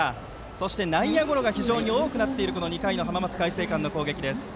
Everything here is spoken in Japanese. そして内野ゴロが非常に多くなっている２回の裏の浜松開誠館の攻撃。